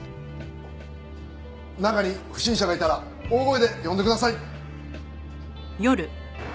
中に不審者がいたら大声で呼んでください！